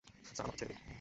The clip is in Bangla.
স্যার, আমাকে ছেড়ে দিন।